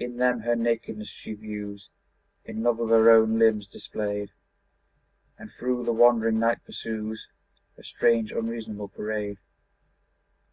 In them her nakedness she views, In love with her own limbs displayed, And through the wondering night pursues Her strange unreasonable parade.